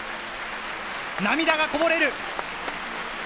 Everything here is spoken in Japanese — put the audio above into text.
涙がこぼれる。